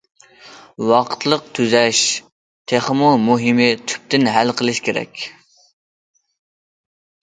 ۋاقىتلىق تۈزەش، تېخىمۇ مۇھىمى تۈپتىن ھەل قىلىش كېرەك.